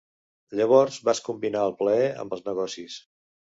Llavors vas combinar el plaer amb els negocis!